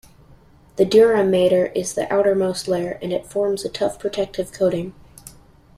The dura mater is the outermost layer, and it forms a tough protective coating.